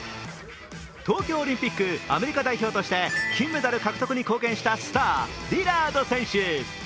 東京オリンピックアメリカ代表として金メダル獲得に貢献したスターリラード選手。